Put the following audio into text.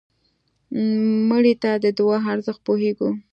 مړه ته د دعا ارزښت پوهېږو